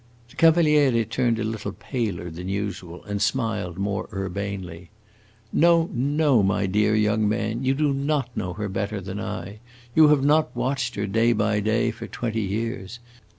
The Cavaliere turned a little paler than usual, and smiled more urbanely. "No, no, my dear young man, you do not know her better than I. You have not watched her, day by day, for twenty years.